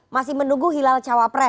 masih menunggu hilal cawapres